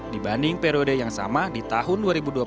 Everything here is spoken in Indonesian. dibanding periode yang sama di tahun dua ribu dua puluh